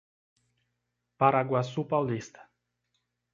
Paraguaçu Paulista